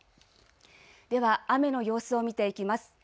では、雨の様子を見ていきます。